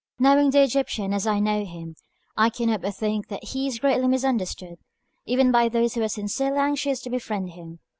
Knowing the Egyptian as I know him, I cannot but think that he is greatly misunderstood, even by those who are sincerely anxious to befriend him.